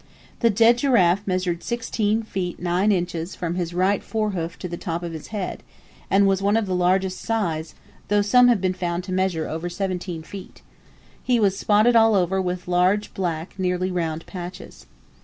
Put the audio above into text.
The dead giraffe measured 16 feet 9 inches from his right fore hoof to the top of his head, and was one of the largest size, though some have been found to measure over 17 feet. He was spotted all over with large black, nearly round, patches.